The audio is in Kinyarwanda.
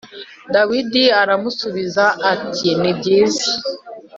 Dawidi aramusubiza ati “Ni byiza.